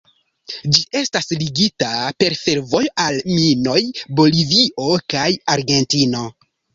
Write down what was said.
Ĝi estas ligita per fervojo al la minoj, Bolivio kaj Argentino.